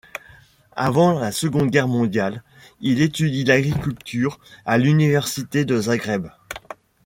Avant la Seconde Guerre mondiale, il étudie l'agriculture à l'université de Zagreb.